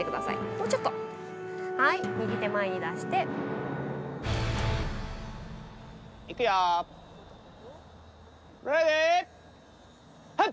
もうちょっとはい右手前に出していくよレディーハッ！